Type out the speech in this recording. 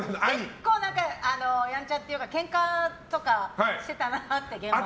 結構、やんちゃっていうかケンカとかしてたなって、現場で。